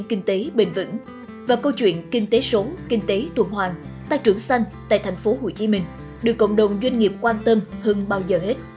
kinh tế số kinh tế tuần hoàng tăng trưởng xanh tại tp hcm được cộng đồng doanh nghiệp quan tâm hơn bao giờ hết